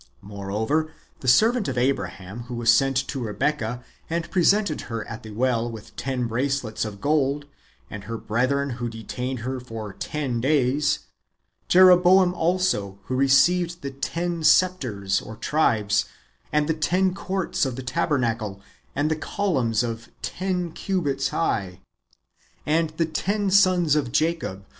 Moreover, the servant of Abraham who was sent to Rebekah, and presented her at the w'ell with ten bracelets of gold, and her brethren who detained her for ten days ;^ Jeroboam also, who received the ten sceptres ^ (tribes), and the ten courts^ of the tabernacle, and the columns of ten cubits ^° [high], and the ten sons of Jacob wdio ' Exod.